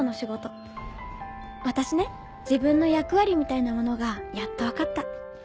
私ね自分の役割みたいなものがやっとわかった。